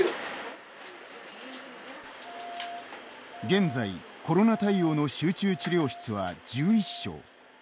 現在、コロナ対応の集中治療室は１１床。